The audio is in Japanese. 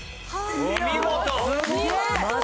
お見事！